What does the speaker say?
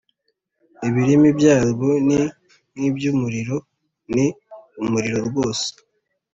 Ibirimi byarwo ni nk iby umuriro ni umuriro rwose